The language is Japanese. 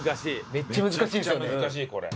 めちゃくちゃ難しいこれ。